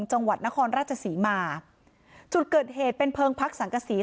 จังหวัดนครราชศรีมาจุดเกิดเหตุเป็นเพลิงพักสังกษี